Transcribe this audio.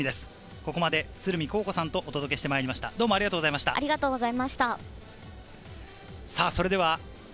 ここまで鶴見虹子さんとお届けしてまいりました。